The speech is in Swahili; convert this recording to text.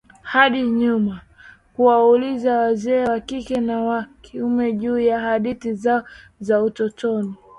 Hadi nyumba kuwauliza wazee wa kike na wa kiume juu ya hadithi zao za utotoni.